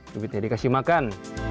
bibitnya dikasih makan